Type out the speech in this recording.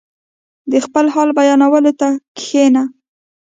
• د خپل حال بیانولو ته کښېنه.